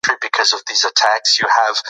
هغه نجلۍ چې په انټرنيټ کې خپروي لایقه ده.